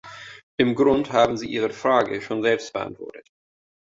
Im Grund haben Sie Ihre Frage schon selbst beantwortet.